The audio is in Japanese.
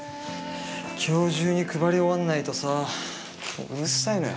今日中に配り終わんないとさうるさいのよ。